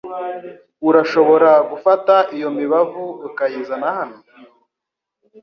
Urashobora gufata iyo mibavu ukayizana hano?